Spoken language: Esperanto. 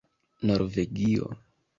norvegio